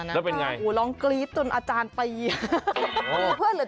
เพื่อนคนนั้นคือคุณชนะหรือเปล่า